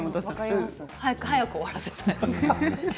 早く早く終わらせたい。